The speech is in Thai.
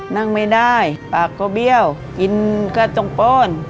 นั่งไม่ได้ปากก็เบี้ยวกินก็ต้องป้อน